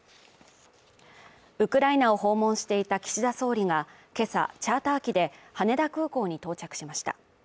ウクライナを訪問していた岸田総理が、今朝、チャーター機で羽田空港に到着しました。